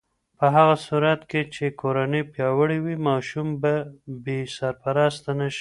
په هغه صورت کې چې کورنۍ پیاوړې وي، ماشوم به بې سرپرسته نه شي.